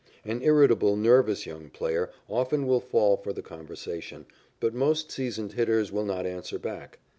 An irritable, nervous young player often will fall for the conversation, but most seasoned hitters will not answer back.